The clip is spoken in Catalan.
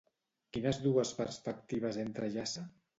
Quines dues perspectives entrellaça?